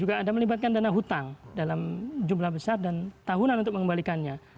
juga ada melibatkan dana hutang dalam jumlah besar dan tahunan untuk mengembalikannya